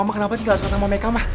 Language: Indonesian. mama kenapa sih gak suka sama mereka ma